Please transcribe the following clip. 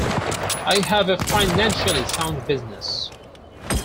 I have a financially sound business.